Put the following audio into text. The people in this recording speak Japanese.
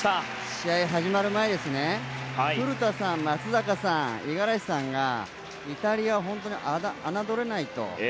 試合が始まる前古田さん、松坂さん五十嵐さんがイタリアは本当に侮れないと。